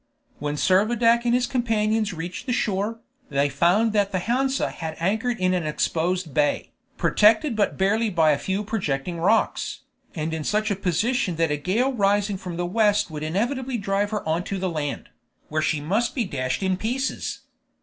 When Servadac and his companions reached the shore, they found that the Hansa had anchored in an exposed bay, protected but barely by a few projecting rocks, and in such a position that a gale rising from the west would inevitably drive her on to the land, where she must be dashed in pieces.